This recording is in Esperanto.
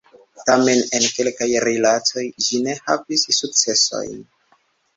Tamen en kelkaj rilatoj ĝi ne havis sukcesojn.